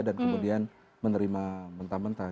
dan kemudian menerima mentah mentah